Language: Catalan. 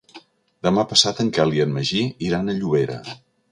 Demà passat en Quel i en Magí iran a Llobera.